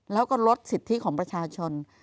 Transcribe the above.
แล้วก็ลดสิทธิของประชาชน